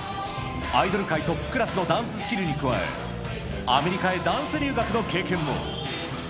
アイドル界トップクラスのダンススキルに加え、アメリカへダンス留学の経験も。